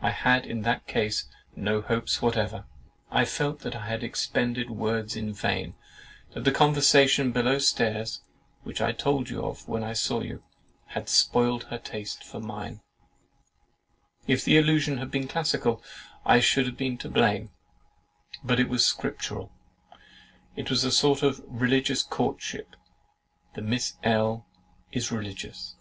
I had, in that case, no hopes whatever. I felt that I had expended words in vain, and that the conversation below stairs (which I told you of when I saw you) had spoiled her taste for mine. If the allusion had been classical I should have been to blame; but it was scriptural, it was a sort of religious courtship, and Miss L. is religious!